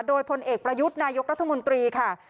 โดยพลเอกประยุทธ์นายกรัฐมนตรีค่ะ